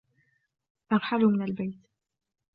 ارحلوا من البيت!